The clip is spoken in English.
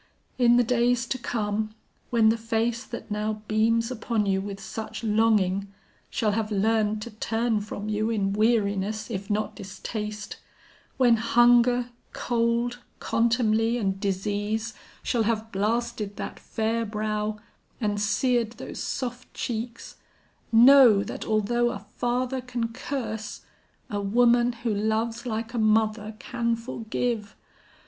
In the days to come, when the face that now beams upon you with such longing, shall have learned to turn from you in weariness, if not distaste, when hunger, cold, contumely and disease shall have blasted that fair brow and seared those soft cheeks, know, that although a father can curse, a woman who loves like a mother can forgive.